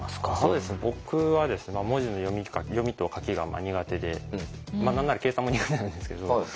僕は文字の読み書き読みと書きが苦手で何なら計算も苦手なんですけど。